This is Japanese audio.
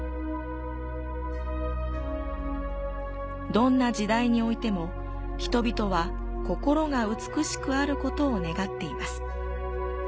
どんな時代においても、人々は心が美しくあることを願っています。